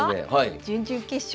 準々決勝